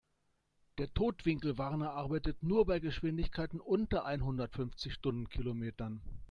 Der Totwinkelwarner arbeitet nur bei Geschwindigkeiten unter einhundertfünfzig Stundenkilometern.